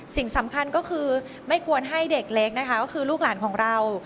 สิ่งสำคัญก็คือไม่ควรให้เด็กเล็กนะคะก็คือลูกหลานของเรา